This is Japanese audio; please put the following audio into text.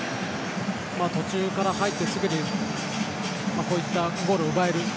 途中から入ってすぐにゴールを奪える。